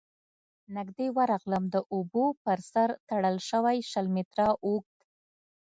، نږدې ورغلم، د اوبو پر سر تړل شوی شل متره اوږد،